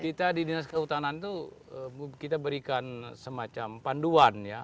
kita di dinas kehutanan itu kita berikan semacam panduan ya